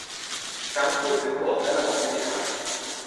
หนังพูดถึงโบสถ์และระบบยุติธรรม